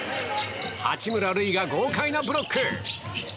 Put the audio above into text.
八村塁が豪快なブロック。